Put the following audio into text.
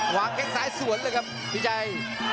หวางแค่งซ้ายสวนเลยครับพี่ใจ